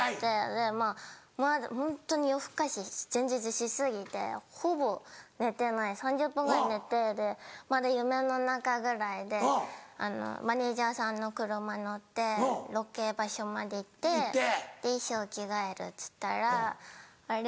でまぁホントに夜更かし前日し過ぎてほぼ寝てない３０分ぐらい寝てまだ夢の中ぐらいでマネジャーさんの車乗ってロケ場所まで行って衣装着替えるっつったら「あれ？」